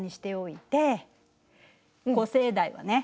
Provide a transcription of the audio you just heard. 古生代はね